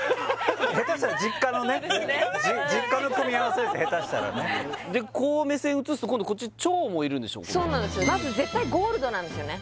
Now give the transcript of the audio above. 下手したら実家のね下手したらねでこう目線移すと今度こっち蝶もいるでしょそうなんですまず絶対ゴールドなんですよね